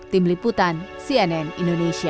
tim liputan cnn indonesia